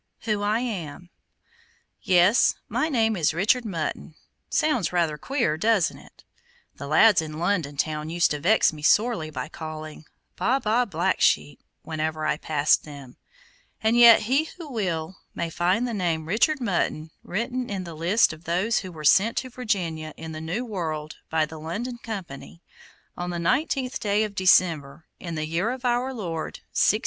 WHO I AM Yes, my name is Richard Mutton. Sounds rather queer, doesn't it? The lads in London town used to vex me sorely by calling, "Baa, baa, black sheep," whenever I passed them, and yet he who will may find the name Richard Mutton written in the list of those who were sent to Virginia, in the new world, by the London Company, on the nineteenth day of December, in the year of Our Lord, 1606.